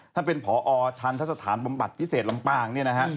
ท่านเป็นผอทันทะสถานบำบัดพิเศษลำปางเนี่ยนะฮะ